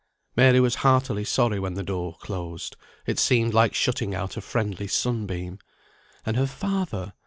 Mary was heartily sorry when the door closed; it seemed like shutting out a friendly sunbeam. And her father!